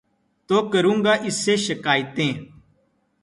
تو کروں گا اُس سے شکائتیں